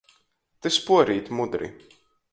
Tys puorīt mudri.